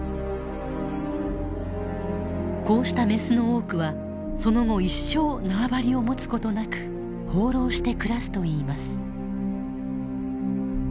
こうしたメスの多くはその後一生縄張りを持つことなく放浪して暮らすといいます。